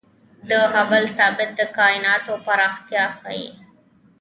د هبل ثابت د کائناتو پراختیا ښيي.